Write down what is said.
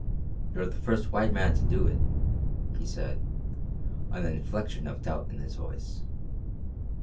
"You're the first white man to do it," he said an inflection of doubt in his voice.